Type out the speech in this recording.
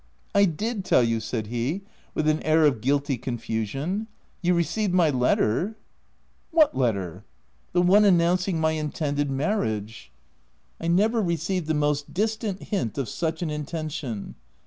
" I did tell you," said he, with an air of guilty confusion, " you received my letter ?"" What letter ¥> "The one announcing my intended marriage." VOL. III. o 290 THE TENANT u I never received the most distant hint of such an intention."